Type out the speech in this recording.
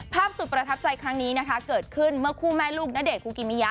สุดประทับใจครั้งนี้นะคะเกิดขึ้นเมื่อคู่แม่ลูกณเดชนคุกิมิยะ